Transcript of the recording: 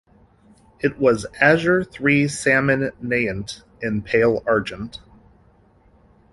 It was "Azure three salmon naiant in pale argent".